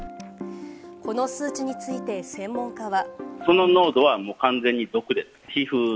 この数値について専門家は。